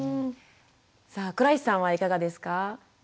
さあ倉石さんはいかがですか？